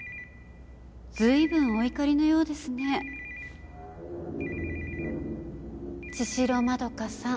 随分お怒りのようですね茅代まどかさん。